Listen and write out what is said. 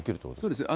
そうです。